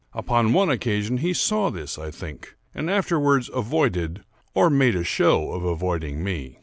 Upon one occasion he saw this, I think, and afterwards avoided, or made a show of avoiding me.